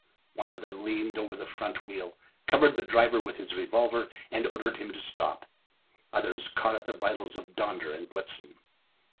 One of them leaned over the front wheel, covered the driver with his revolver, and ordered him to stop. Others caught at the bridles of Donder and Blitzen.